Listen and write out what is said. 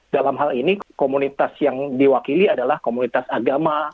dalam hal ini komunitas yang diwakili adalah komunitas agama